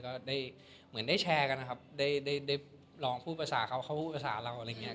ก็ได้เหมือนได้แชร์กันนะครับได้ได้ลองพูดภาษาเขาเขาพูดภาษาเราอะไรอย่างเงี้